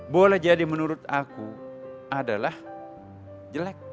boleh jadi menurut aku adalah jelek